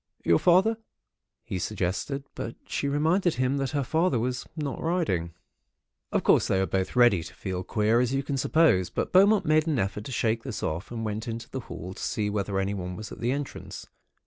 "'Your father?' he suggested; but she reminded him that her father was not riding. "Of course, they were both ready to feel queer, as you can suppose; but Beaumont made an effort to shake this off, and went into the hall to see whether anyone was at the entrance.